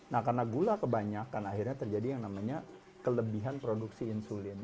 nah karena gula kebanyakan akhirnya terjadi yang namanya kelebihan produksi insulin